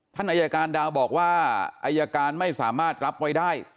ท่านอายการดาวบอกว่าอายการไม่สามารถรับไว้ได้